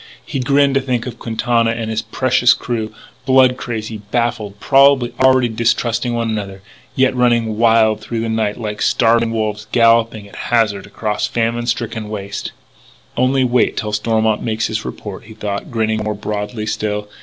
He grinned to think of Quintana and his precious crew, blood crazy, baffled, probably already distrusting one another, yet running wild through the night like starving wolves galloping at hazard across a famine stricken waste. "Only wait till Stormont makes his report," he thought, grinning more broadly still.